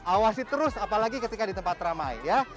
awasi terus apalagi ketika di tempat ramai ya